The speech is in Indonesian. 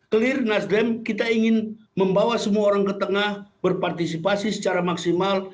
clear nasdem kita ingin membawa semua orang ke tengah berpartisipasi secara maksimal